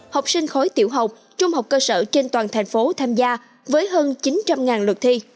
học sinh khối tiểu học trung học cơ sở trên toàn thành phố tham gia với hơn chín trăm linh lượt thi